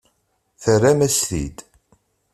Terram-as-t-id.